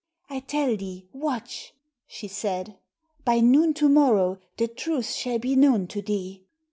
"I tell thee, watch," she said. "By noon to morrow the truth shall be shown to thee."